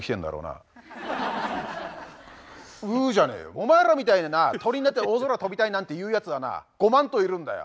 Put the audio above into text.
お前らみたいにな鳥になって大空飛びたいなんて言うやつはなごまんといるんだよ。